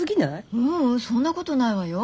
ううんそんなことないわよ。